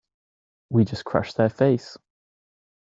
We just crushed their face!